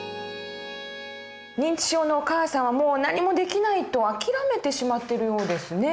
認知症のお母さんをもう何もできないと諦めてしまってるようですね。